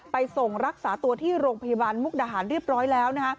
ไปส่งรักษาตัวที่โรงพยาบาลมุกดาหารเรียบร้อยแล้ว